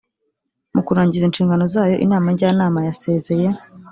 mu kurangiza inshingano zayo inama njyanama yasezeye.